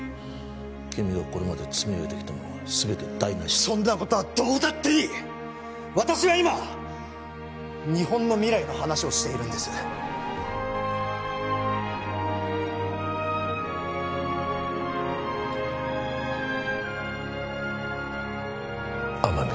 君がこれまで積み上げてきたものが全て台無しそんなことはどうだっていい私は今日本の未来の話をしているんです天海